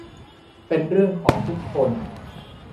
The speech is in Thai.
เป็นเรื่องของทุกคน